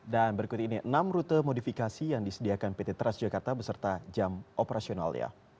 dan berikut ini enam rute modifikasi yang disediakan pt transjakarta beserta jam operasional